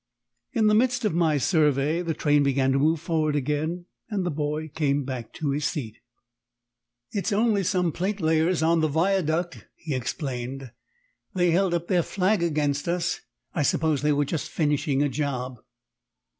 In the midst of my survey the train began to move forward again, and the boy came back to his seat. "It's only some platelayers on the viaduct," he explained. "They held up their flag against us. I suppose they were just finishing a job."